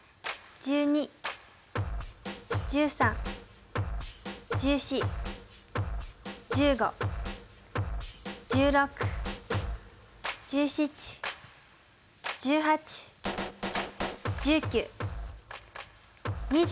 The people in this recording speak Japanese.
１２１３１４１５１６１７１８１９２０。